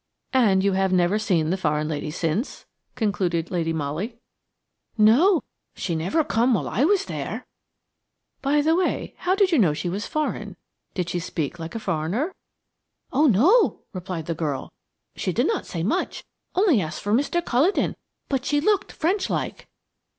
"And you have never seen the foreign lady since?" concluded Lady Molly. "No; she never come while I was there." "By the way, how did you know she was foreign. Did she speak like a foreigner?" "Oh, no," replied the girl. "She did not say much–only asked for Mr. Culledon–but she looked French like."